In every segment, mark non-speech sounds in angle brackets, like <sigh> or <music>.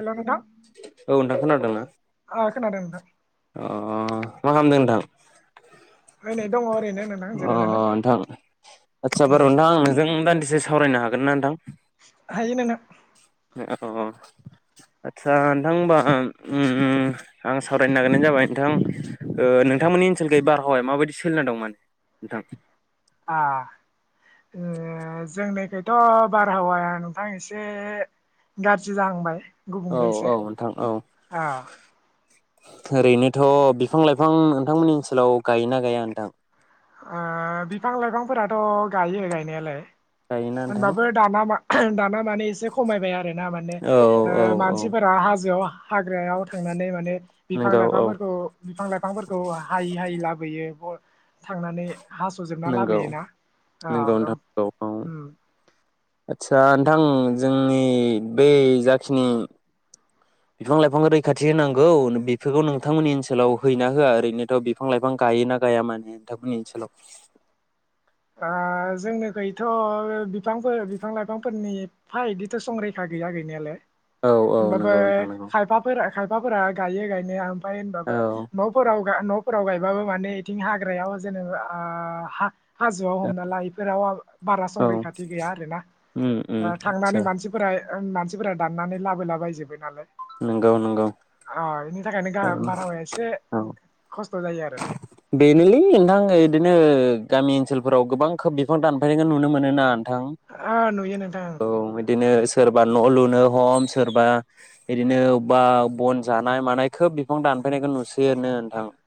हेल' नोंथां औ नोंथां खोनादोंना ओ खोनादों नोंथां अ मा खामदों? <unintelligible> ओमफ्राय नै दङ ओरैनो नोंथां अ जिरायनानै नोंथां आदसा बार' उम नोंथां नोंजों दान्दिसे स सावरायनो हागोन ना नोंथां? <inaudible> अ आदसा नोंथां ओमबा ओम आं सावरायनो नागिरनाया जाबाय नोंथां ओ नोंथांमोननि ओनसोलखोय बार अय माबायदि सोलिना दंमोन नोंथां? आ ओ जोंनिखैथ' बारहावाया नोंथां एसे गाज्रि जाहांबाय । औ औ नोंथां औ ओरैनोथ' बिफां-लाइफां नोंथांमोननि ओनसोलाव गायोना गाया नोंथां? ओ बिफां- लाइफांफोराथ' गायो गायनायालाय गायोना नोंथां होनबाबो दाना मा <unintelligible> दाना माने एसे खमायबाय आरो । ना माने औ औ औ मानसिफोरा हाजोआव हाग्रायाव थांनानै माने बिफां- नंगौ औ लाइफांफोरखौ बिफां- लाइफांफोरखौ हायै हायै लाबो लाबोयो थांनानै हास'जोबना नोंगौ नोंगौ <unintelligible> ओम आदसा नोंथां जोंनि बै जाखिनि बिफां-लाइफां रैखाथि होनांगौ बेफोरखौ नोंथांमोननि ओनसोलाव हैयोना होआ ओरैनोथ' बिफां-लाइफां गायोना गाया माने नोंथांमोननि ओनसोलाव? ओ जोंनिखैथ' बिफांफोर बिफां-लाइफांफोरनि एफा इदिथ' संरैखा गैया गैनायालाय औ औ नंगौ नोंथां । नंगौ <unintelligible> खायफाफोरा खायफाफोरा गायो गायनाया ‌। बाय औ होनबाबो न'फोराव न'फोराव गायबाबो माने बिथिं हाग्रायाव जेनेबा आ हाजोआव हमना ला बेफोराव बारा औ संरैखाथि गैया आरोना उम उम आदसा थांनानै मानसिफोरा मानसिफोरा दाननानै लाबोला बायजोब्बाय नालाय । नोंगौ नोंंगौ बिनि थाखायनो बारहावाया एसे खस्थ' जायो आरोना बेनोलै नोंथां बिदिनो गामि ओनसोलफोराव गोबां खोब बिफां दानफायनायखौ नुनो मोनोना । ओ नुयो नोंथां । बिदिनो सोरबा न' लुनो हम सोरबा बिदिनो अबेबा बन जानाय मानाय खोब बिफां दानफैनायखौ नुसैनो नोंथां ।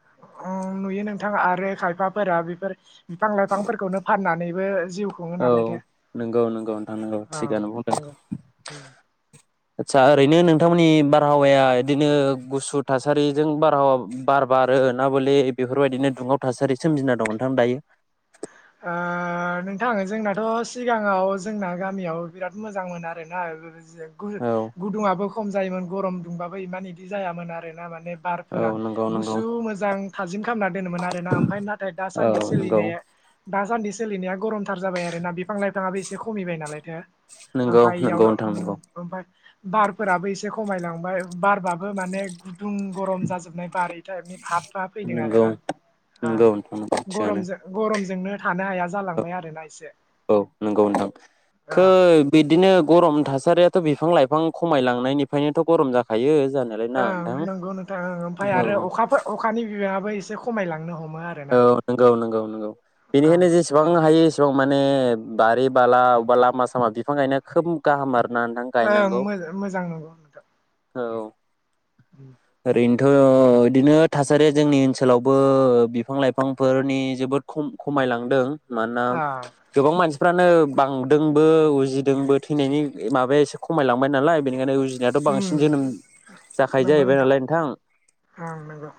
औ नुयो नोंथां आरो खायफाफोरा बेफोर बिफां लाइफांफोरखौनो फाननानैबो जिउ खुङो औ नालायथो नंगौ नंगौ नोंथां नंगौ औ थिगानो बुंदों नंगौ उम । आदसा ओरैनो नोंथांमोननि बारहावाया बिदिनो गुसु थासारिजों बारहावा बार बारो ना बले बेफोरबायदिनो दुंहाव थासारि सोमजिना दं नोंथां दायो? ओ नोंथां जोंनाथ' सिगाङाव जोंना गामियाव बिराद मोजां मोन आरोना । गु औ गुदुङाबो खम जा जायोमोन गरम दुंबाबो इमान इदि जायामोन आर ना माने । औ बारफोरा नंगौ नंगौ गुसु मोजां थाजिम खालामना दोनोमोन आरो ना ओमफ्राय नाथाय औ दासान्दि नंगौ सोलिनाया दासान्दि सोलिनाया गरमथार जाबाय आरो ना बिफां लाइफाङाबो एसे खमिबाय नालाय नंगौ आफायाइ इयाव नंगौ नोंथां ओम नंगौ ओमफ्राय बारफोराबो एसे खमायलांबाय बारबा माने गुदुं गरम जाजोबनाय बारनि फाबफ्रा फैदों नंगौ आरोना नंगौ नोंथां नंगौ थिगानो गरमजों गरमजोंनो थानो हाया जालांबाय आरोना एसे औ नंगौ नोंथां खो बिदिनो गरम थासारियाथ' बिफां लाइफां खमायलांनायनिफ्रायनोथ' गरम जाखायो । ओं नंगौ नोंथांं ओमफ्राय औ आरो अखाफोर अखानि बिबाङाबो एसे एसे खमायलांनो हम औ नंगौ नंगौ नंगौ ओं बेनिखायनो जेसेबां हायो बिफां माने बारि बाला बबेबा लामा सामा बिफां गायनाया खोब गाहाम आरो । ओं मोजां मोजां नंगौ । औ ओरैनो थ' बिदिनो थासारिया जोंनि ओनसोलावबो बिफां लाइफांफोरनि जोबोद खम खमायलांदों । मानोना ओ गोबां मानसि फ्रानो बांदोंबो उजिदोंबो थैनायनि माबाया एसे खमायलांबाय नालाय बेनिखायनो उजि- नायाथ' उम बांसिन जोनोम जाखायो जाहैबाय नालाय नोंथां । ओं नंगौ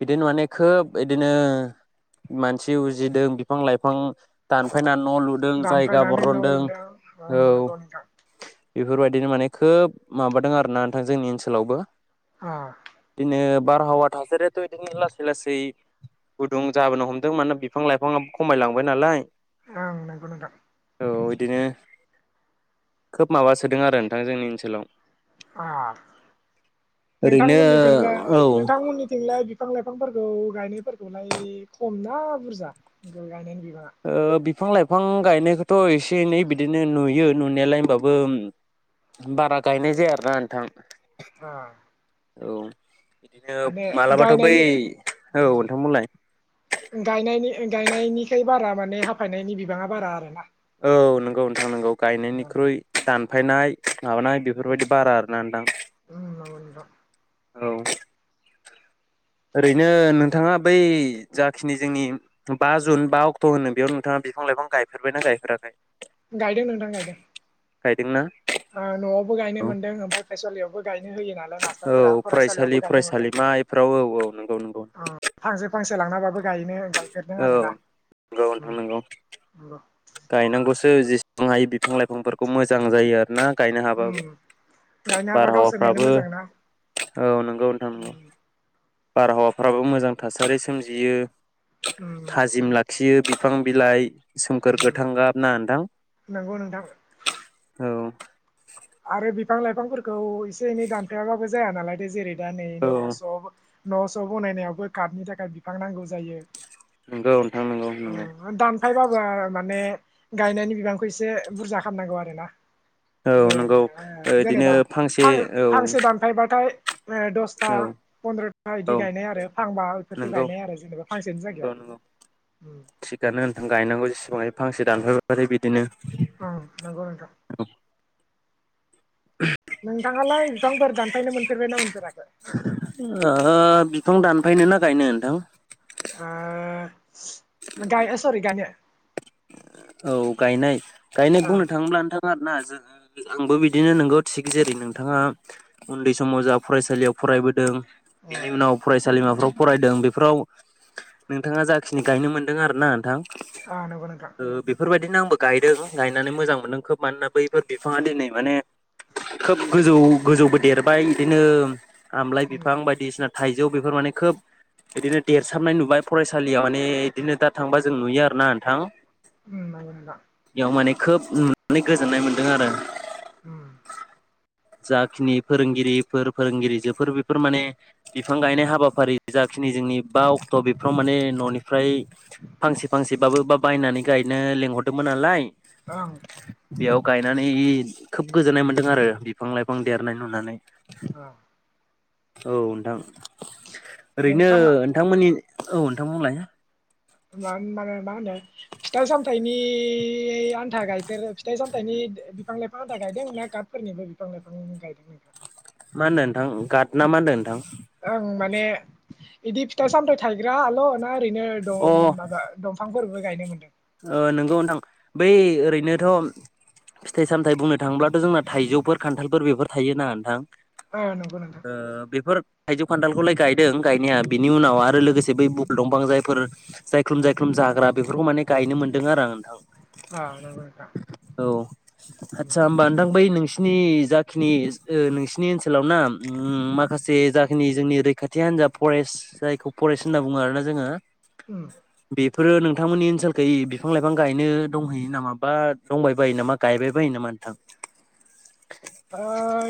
बिदिनो माने खोब बिदिनो मानसि उजिदों बिफां लाइफां दानफायनानै न' लुदों जायगा दामफायनानै न' बरनदों लुदों औ उम नंगौ नोंथां। बेफोरबायदिनो माने खोब माबादों आरोना नोंथां जोंनि ओनसोलावबो दिनो बारहावा थासारियाथ' इदिनो लासै लासै गुदुं जाबोनो हमदों मानोना बिफां लाइफाङाबो खमायलांबाय नालाय । ओं नोंगौ नोंथां औ बिदिनो खोब माबा सोदों आरो नोंथां जोंनि ओनसोलाव। ओ ओरैनो नोंथांमोननिंलाय औ नोंथांमोननिथिंलाय बिफां - लाइफां फांफोरखौ गायनायफोरखौलाय खम ना बुरजा गायनायनि बि ओ बि फां लाइफां गायनायखौथ' एसे एनै बिदिनो नुयो नुनायालाय होमबाबो बारा गायनाय जाया आरोना नोंथां। अ औ बिदिनो मालाबाथ' बै गायनायनि औ उम नोंथां बुंलाय गायनायनिखै बारा माने हाफायनायनि बिबाङा बारा आरो ना औ नंगौ नोंथां नंगौ गायनायनिख्रुइ दान- फायनाय माबानाय उम बेफोरबायदि बारा आरोना नोनथां उम नंगौ नोंथां औ ओरैनो नोंथाङा बै जाखिनि जोंनि बा जुन बा अक्ट' होनो बेयाव नोंथाङा बिफां लाइफां गायफेरबायना गायफेराखै? गायदों नोंथां गायदों गायदोंना? ओ न'आवबो गायनो मोन्दों ओमफाय फरायसालियावबो गायनो होयो नालाय औ मास्टारफोरा फरायसालि फरायसालियावबो गायनो मोनदों फरायसालिमा इफोराव औ औ नंगौ नंगौ ओं फांसे फांसे लांनाबाबो गायनो गाय- औ नंगौ नोंथां नंगौ नंगौ गायनांगौसो जेसेबां हायो बिफां लाइफांफोरखौ मोजां जायो आरो ना गायनो उम हाबाबो गायनो हाबा गावसोरनिनो बारहावाफ्राबो मोजां ना औ नंगौ नोंथां नंगौ उम बारहावाफ्राबो मोजां थासारि सोमजियो उम थाजिम लाखियो बिफां बिलाइ सोमखोर गो बना नोंथां नंगौ नोंथां औ आरो बिफां लाइफांफोर खौ एसे एनै दानफायाबो जाया नालाय जेरै दा नै औ न' स' न' स' बनायनायावबो कार्टनि थाखाय बिफां नांगौ जायो नंगौ नोंथां नंगौ नंगौ ओ दानफायबाबो माने गायनायनि बिबांखौ एसे बुरजा खालामनांगौ आरो ना औ नंगौ <unintelligible> बिदिनो जेनेबा फांसे फां औ फांसे दानफायबाथाय दसथा औ फन्द्र'था इदि औ गायनाय आरो फांबा बेफोरखौ नंगौ गायनाय आरो जेनेबा फांसेनि नंगौ नंगौ जायगायाव थिगानो नोंथां गायनांगौ जेसेबां हायो फांसे दानफायथाय बिदिनो औ नांगौ नोंथां नोंथाङालाय बिफांफोर दानफायनो मोनफेरबायना मोनफेराखै थां दानफैन ना गायनो नोंथां हा नोंथां सरि गायनो औ गायनाय गायनाय बुंनो ओं थाङोब्ला नोंथा आरोना जों आंबो बिदिनो नंगौ थिग जेरै नोंथाङा उन्दै समाव जा फरायसालियाव फरायबोदों बेनि ओं उनाव फरायसालिमाफ्राव फरायदों बेफोराव नोंथाङा जाखिनि गायनो मोनदों आरो ना नोंथां आ नंगौ नोंथां बिदिनो आंबो गायदों गायनानै मोजां मोनदों खोब मानोना बैफोर बिफाङा दिनै माने खोब गोजौ गोजौबो देरबाय बिदिनो आमलाय उम बिफां बायदिसिना थाइजौ थाइजौ बेफोर माने खोब बिदिनो देरसाबनाय नुबाय फरायसालियाव माने बिदिनो दा थांबा जों नुयो आरोना नोंथां उ मोन दा बेयाव माने खोब नुनानै गोजोननाय मोन्दों आरो औ जाखिनि फोरोंगिरिफोर फोरोंगिरिजोफोर बेफोर माने बिफां गायनाय हाबाफारि जाखिनि जोंनि बा अक्ट' बेफोराव माने न'निफ्राय फांसे फांसेबाबो ब बायनानै गायनो लिंहरदोंमोन नालाय ओं बेयाव गायनानै खोब गोजोननाय मोन्दों आरो बिफां लाइफां देरनाय नुनानै ओं औ नोंथां ओरैनो नोंथाङा नोंथांमोननि औ नोंथां बुंलाय मा मानो मा होनो फिथाइ सामथायनि आन्था गायफेरो फिथाइ सामथायनि बिफां लाइफां आन्था गायदों ना गाथफोरनिबो बिफां लाइफां गायदों नोंथाङा मा होनदों नोंथां गाद ना मा होनदों नोंथां ओं माने इदि फिथाइ सामथाइ थायग्राल' ना ओैरैनो अ दं माबा दंफांफोर बो गायनो मोनदों ओ नंगौ नोंथां बै ओरैनोथ' फिथाइ सामथाइ बुंनो थाङोब्लाथ' जोंना थाइजौफोर खान्थालफोर बेफोर थायो ना नोंथां ओ नंगौ नोंथां ओ बेफोर थाइजौ खान्थालखौलाय गायदों गायनाया बिनि उनाव आरो लोगोसे बै बुकुल दंफां जायफोर जायख्लुम जायख्लुम जाग्रा बेफोरखौ माने गायनो मोन्दों आरो आं नोंथां आ‌ नंगौ नोंथां औ आतसा होमबा नोंथां बै नों सिनि जाखिनि ओ नोंसिनि ओनसोलाव ना उम माखासे जाखिनि जोंनि रैखाथि हान्जा फरेस्ट जायखौ फरेस्ट होनना बुङो आरोना जोङो उम बेफोरो नोंथांमोननि ओनसोल खै बिफां लाइफां गायनो दंहैयो नामा बा दंबाय बायो नामा गायबाय बायो नामा नोंथां? ओ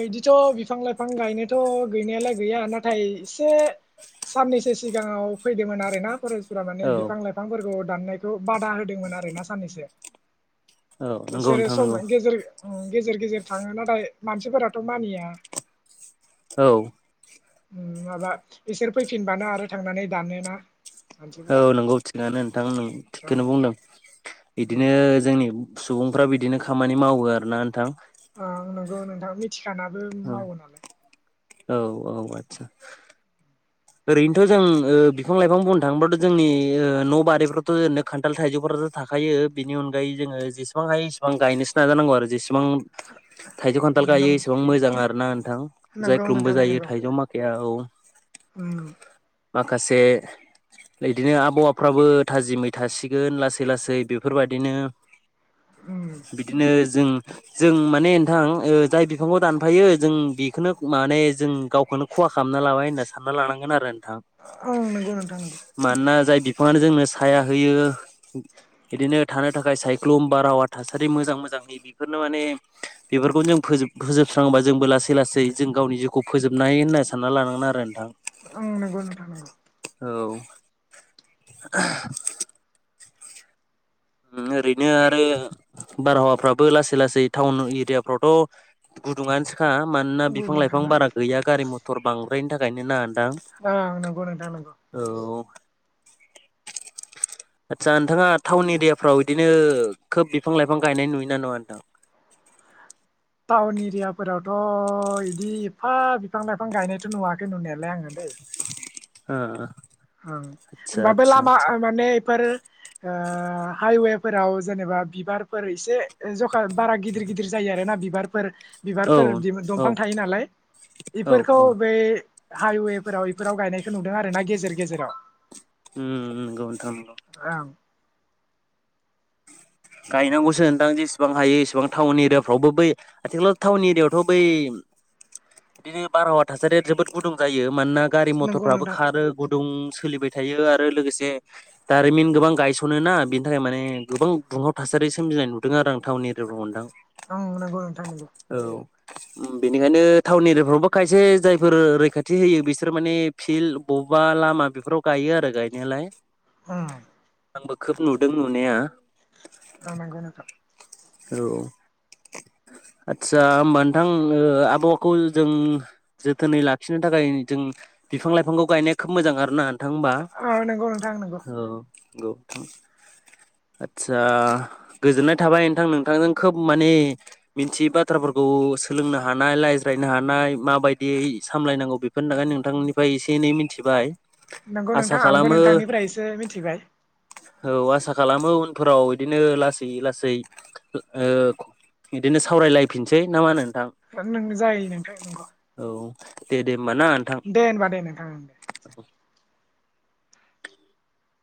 इदिथ बिफां लाइफां गायनोथ गैनायालाय गैया नाथाय एसे साननैसो सिगाङाव फैदोंमोन आरोना परेस फोरा माने औ बिफां लाइफांफोरखौ दाननायखौ बादा होदोंमोन आरो ना साननैसो। औ नंगौ बेसोरो नोंथां सम नंगौ गेजेर ओं गेजेर गेजेर थाङो नाथाय मानसिफोराथ मानिया। औ माबा इसोर फैफिनबानो आरो थांनानै दानोना। औ मानसिफोरा नंगौ थिगानो नोंथां नों ओं थिगखौनो बुंदों। उम बिदिनो जोंनि नि सुबुंफ्रा बिदिनो खामानि मावो आरोना नोंथां। थिखानाबो औ मावो नालाय औ औ आतसा ओरैनोथ जों ओ बिफां लाइफां बुंनो थाङोबथ जोंनि ओ न' बारिफ्रावथ ओरैनो खान्थाल थाइजौफोराथ थाखायो बेनि अनगायै जोङो जसेबां हायो एसेबां गायनोसो नाजानांगौ आरो जेसे बां थाइजौ खान्थाल नों गायो एसेबां मोजां आरो नान थां नंगौ नोंथां जायख्लुमबो जायो नंगौ थाइजौ माखाया औ। उम माखासे इदिनो आबहावाफ्राबो थाजिमै थासिगोन लासै लासै बेफोरबायदिनो उम बिदिनो जों जों माने नोंथां ओ जाय बिफांखौ दानफायो जों बेखौनो माने जों गावखौनो खहा खालामना लाबाय होनना सा सानना लानांगोन‌ आरो। ओं नंगौ नोंथां नंगौ मानोना जाय बिफाङानो जोंनो साया होयो बिदिनो थानो थाखाय सायख्लुम बारहावा थासारि मोजां मोजांनि बिफोरनो माने बेफोरखौनो जों फोजो-फोजोबस्रांबा जोंबो लासै लासै जों गावनि जिउखौ फोजोबनाय होनना सानना लानांगोन आरो। नोंथां ओं नंगौ नोंथां नंगौ। औ <unintelligible> उम ओरैनो आरो बारहावाफोराबो लासै लासै टाउन एरियाफोरावथ गुदुङानोसै खा मानोना बिफां लाइफां गुदुंखाना बारा गैया गारि मथर बां बैनि थाखायनो ना नोंथां ओं नांगौ नोथां नंगौ। औ आदसा नोंथाङा टाउन एरियाफोराव बिदिनो खोब बिफां लाइफां गायनाय नुयोना नुवा नोंथां? टाउन एरियाफोरावथ इदि एफा बिफां लाइफां गायनायथ नुवाखै नुनायालाय आङो दैै। आ ओं ओमबा बै लामा माने इफोर ओ हाइवे फोराव जेनेबा बिबारफोर एसे जख बारा गिदिर गिदिर जायो आरोना बिबार फोर औ बिबारफोर औ दंफां थायो नालाय औ बेफोरखौ औ बै हाइवेफोराव इफोराव गायनायखौ नुदों आरो ना गेजेर गेजेराव उम नंगौ नंगौ ओं गायनांगौसो नोंथां जेसेबां हायो एसेबां टाउन एरियाफोरावबो बै आथिखालाव टाउन एरियायावथ बै बिदिनो बारहावा थासारिया जोबोद गुदुं जायो मानोना गारि नंगौ मथरफोराबो नोंथां खारो गुदुं सोलिबाय थायो आरो लोगोसे दारिमिन गोबां गायसनोना बेनि थाखाय माने गोबां दुंहाव थासारि सोमजिनाय नुदों आरो आं टाउन एरियायाव नोंथां ओं नंगौ नोंथां नंगौ औ उम बेनिखायनो टाउन एरियाफोरावबो खायसे जायफोर रैखाथि होयो बिसोर माने फिल्ड बबेबा लामा बेफोराव गायो आरो गायनायालाय उम आंबो खोब नुदों नुनाया ओं नंगौ नोंथां औ आदसा होमबा नोंथां आबहावाखौ जों जोथोनै लाखिनो थाखाय जों बिफां लाइफांखौ गायनाया खोब मोजां आरोना नोंथां होमबा औ नंगौ नोंथां नंगौ औ नंगौ नोथां आदसा गोजोननाय थाबाय नोंथां नोंथांजों खोब माने मिथियै बाथ्राफोरखौ सोलोंनो हानाय रायज्रायनो हानाय माबायदियै सामलायनांगौ बेफोरनि थाखाय नोंथांनिफ्राय एसे एनै मिथिबाय नंगौ आसा नोंथां आंबो खालामो नोंथांनिफ्राय एसे मिथिबाय औ आसा खालामो उनफोराव इदिनो लासै लासै ओ इदिनो सावरायलायफिनसै ना मा होनो? नोंथां नोंनो जायो नोंथां नोंगौ औ दे दे होमबा ना नोंथां देे ओनबा दे नोंथां होन दे